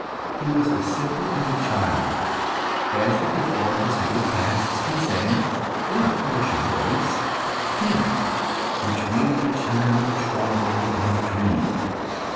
He was as simple as a child. As he performed his heavy tasks, he sang, in a harsh voice, hymns which made the child tremble and dream.